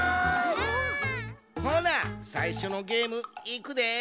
ほなさいしょのゲームいくで！